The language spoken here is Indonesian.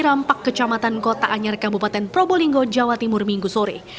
rampak kecamatan kota anyar kabupaten probolinggo jawa timur minggu sore